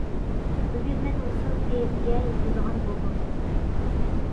بۈگۈن مەن ۋىسال پەيزىگە يېتىدىغان بولدۇم.